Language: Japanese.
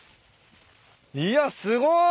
いやすごい！